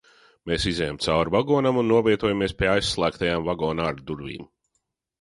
Mēs izejam cauri vagonam un novietojamies pie aizslēgtajām vagona āra durvīm.